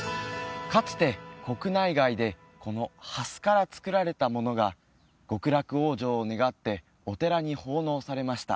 かつて国内外でこの蓮から作られたものが極楽往生を願ってお寺に奉納されました